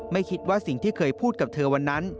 ไม่คิดว่าสิ่งที่เคยพูดกับเธอวันนั้น